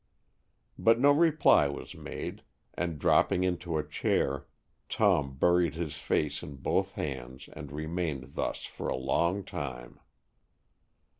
But no reply was made, and, dropping into a chair, Tom buried his face in both hands and remained thus for a long time.